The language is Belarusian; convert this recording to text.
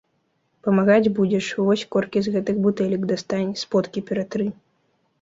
Памагаць будзеш, вось коркі з гэтых бутэлек дастань, сподкі ператры.